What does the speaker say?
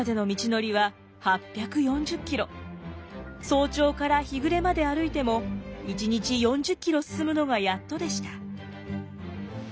早朝から日暮れまで歩いても１日４０キロ進むのがやっとでした。